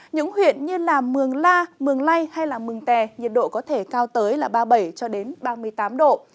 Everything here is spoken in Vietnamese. những huyện như mường la mường lây hay mường tè nhiệt độ có thể cao tới ba mươi bảy cho đến ba mươi tám độ